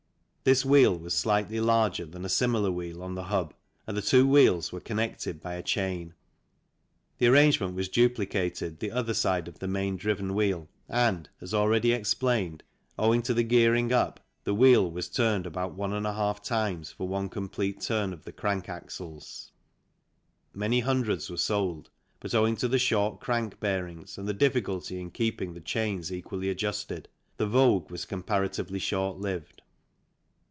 This wheel was slightly larger than a similar wheel on the hub and the two wheels were connected by a chain. The arrangement was duplicated the other side of the main driven wheel and, as already FIG. 5 THE KANGAROO INTRODUCED BY HILLMAN, HERBERT AND COOPER explained, owing to the gearing up the wheel was turned about 1| times for one complete turn of the crank axles. Many hundreds were sold, but owing to the short crank bearings and the difficulty in keeping the chains equally adjusted, the vogue was comparatively short lived.